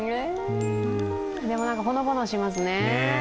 でも、なんかほのぼのしますね。